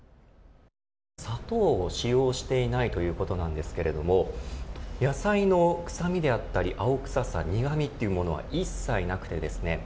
砂糖を使用していないということなんですけれども野菜の臭みであったり青臭さ、苦味というものは一切なくてですね